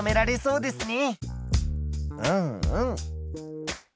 うんうん。